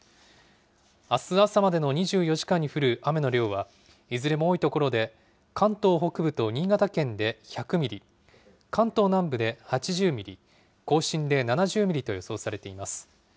あす朝までの２４時間に降る雨の量はいずれも多い所で、関東北部と新潟県で１００ミリ、関東南部で８０ミリ、甲信で７０ミリと予想されています。